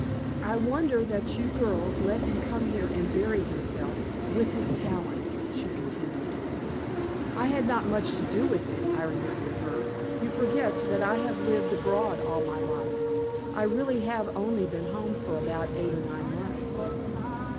"I wonder that you girls let him come here and bury himself, with his talents," she continued. "I had not much to do with it," I reminded her. "You forget that I have lived abroad all my life; I really have only been home for about eight or nine months."